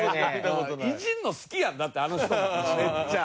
いじるの好きやんだってあの人もめっちゃ。